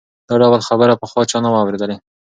دا ډول خبره پخوا چا نه وه اورېدلې.